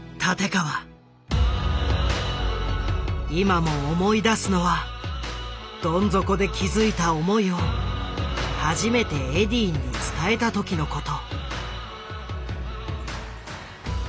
今も思い出すのはどん底で気付いた思いを初めてエディーに伝えた時のこと。